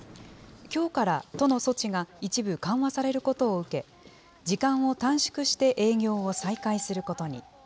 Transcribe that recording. きょうから都の措置が一部緩和されることを受け、時間を短縮して営業を再開することに。